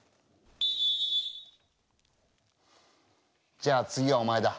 じゃあ次はお前だ。